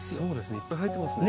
いっぱい生えてますね。